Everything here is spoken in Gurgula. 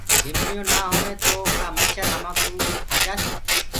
ڀمڀڻيونٚ نآ هوينٚ گو ڪآ مڇر همآ ڪوُ کآ جآسي۔